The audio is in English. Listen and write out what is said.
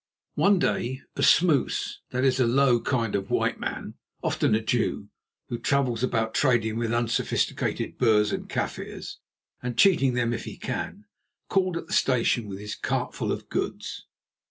One day a smous, that is a low kind of white man, often a Jew, who travels about trading with unsophisticated Boers and Kaffirs, and cheating them if he can, called at the station with his cartful of goods.